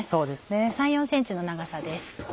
３４ｃｍの長さです。